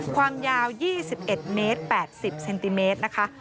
ความยาว๒๑เมตร๘๐เซนติเมตรนะคะ